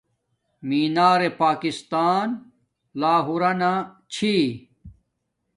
مینار پاکستان لاہورانا چھی